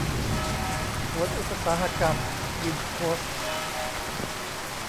สวนอุตสาหกรรม วินโคสท์